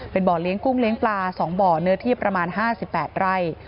เป็นบ่อเลี้ยงกุ้งเลี้ยงปลา๒บ่อเนื้อที่ประมาณ๕๘ไร่